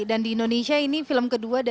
dan di indonesia ini film kedua